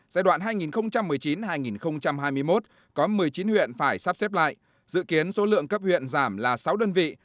giai đoạn hai nghìn một mươi chín hai nghìn hai mươi một có một mươi chín huyện phải sắp xếp lại dự kiến số lượng cấp huyện giảm là sáu đơn vị